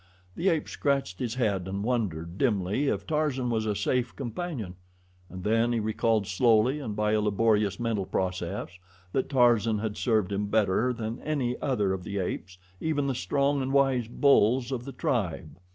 The ape scratched his head and wondered, dimly, if Tarzan was a safe companion, and then he recalled slowly, and by a laborious mental process, that Tarzan had served him better than any other of the apes, even the strong and wise bulls of the tribe.